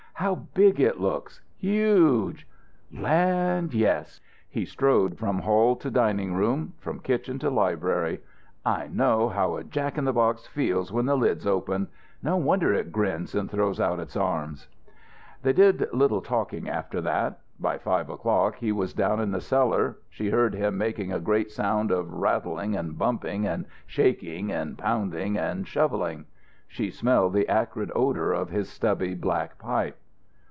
How big it looks! Huge!" "Land, yes." He strode from hall to dining room, from kitchen to library. "I know how a jack in the box feels when the lid's opened. No wonder it grins and throws out its arms." They did little talking after that. By five o'clock he was down in the cellar. She heard him making a great sound of rattling and bumping and shaking and pounding and shoveling. She smelled the acrid odour of his stubby black pipe.